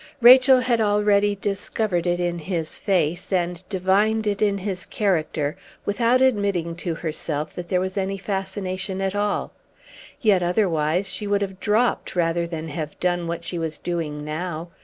Rachel already discovered it in his face, and divined it in his character, without admitting to herself that there was any fascination at all. Yet otherwise she would have dropped rather than have done what she was doing now.